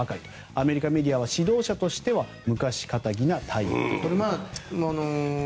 アメリカメディアは指導者としては昔気質なタイプだと。